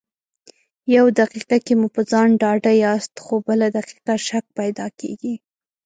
يو دقيقه کې مو په ځان ډاډه ياست خو بله دقيقه شک پیدا کېږي.